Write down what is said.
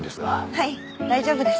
はい大丈夫です。